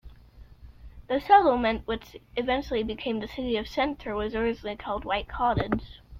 The settlement which eventually became the City of Center was originally called White Cottage.